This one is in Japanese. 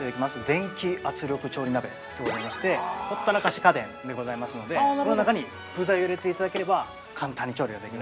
電気圧力調理鍋でございましてほったらかし家電でございますのでこの中に具材を入れていただければ簡単に調理ができる。